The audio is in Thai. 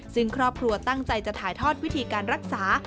ซึ่งครอบครัวตั้งใจจะถ่ายทอดวิธีการรักษา